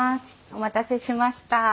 お待たせしました。